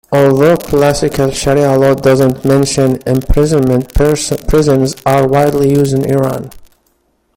Although classical Sharia law does not mention imprisonment, prisons are widely used in Iran.